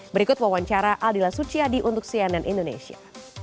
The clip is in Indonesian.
berikut wawancara aldila suciadi untuk cnn indonesia